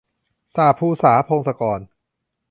สาปภูษา - พงศกร